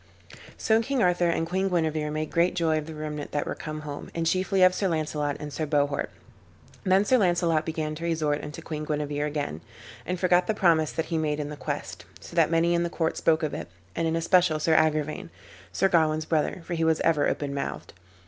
So King Arthur and Queen Guenever made great joy of the remnant that were come home, and chiefly of Sir Launcelot and Sir Bohort. Then Sir Launcelot began to resort unto Queen Guenever again, and forgot the promise that he made in the quest: so that many in the court spoke of it, and in especial Sir Agrivain, Sir Gawain's brother, for he was ever open mouthed.